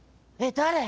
誰？